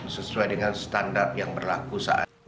sesuai dengan standar yang berlaku saat ini